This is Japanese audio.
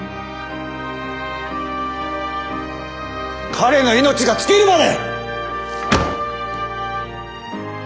彼の命が尽きるまで！